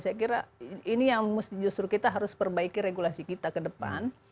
saya kira ini yang justru kita harus perbaiki regulasi kita ke depan